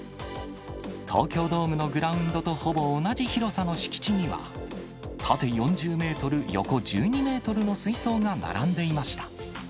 東京ドームのグラウンドとほぼ同じ広さの敷地には、縦４０メートル、横１２メートルの水槽が並んでいました。